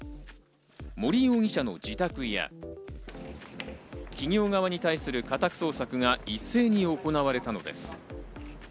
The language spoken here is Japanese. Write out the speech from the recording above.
森容疑者の自宅や企業側に対する家宅捜索が一斉に行われたのです。